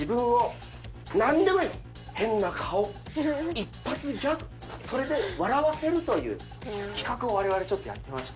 変な顔一発ギャグそれで笑わせるという企画を我々ちょっとやってまして。